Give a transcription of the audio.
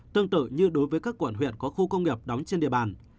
tương tự như đối với các quận huyện có khu công nghiệp đóng trên địa bàn